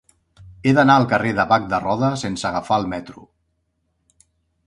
He d'anar al carrer de Bac de Roda sense agafar el metro.